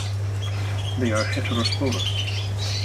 They are heterosporous.